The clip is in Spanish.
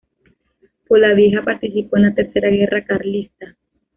Polavieja participó en la Tercera Guerra Carlista.